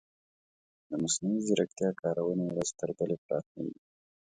د مصنوعي ځیرکتیا کارونې ورځ تر بلې پراخیږي.